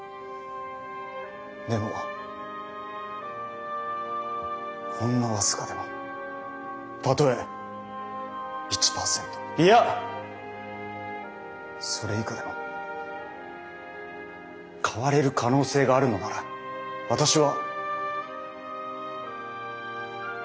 でもほんの僅かでもたとえ１％いやそれ以下でも変われる可能性があるのなら私は。